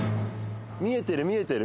見えてる見えてる。